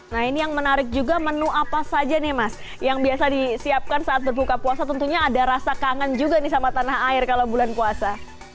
nah ini yang menarik juga menu apa saja nih mas yang biasa disiapkan saat berbuka puasa tentunya ada rasa kangen juga nih sama tanah air kalau bulan puasa